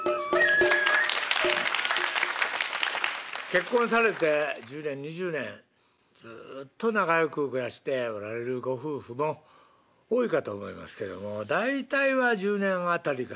結婚されて１０年２０年ずっと仲良く暮らしておられるご夫婦も多いかと思いますけども大体は１０年辺りからですね